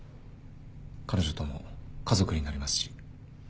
彼女とも家族になりますし。